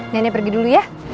nenek pergi dulu ya